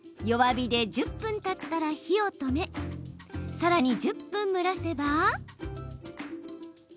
弱火で１０分たったら火を止めさらに１０分蒸らせば。